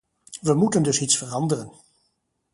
We moeten dus iets veranderen.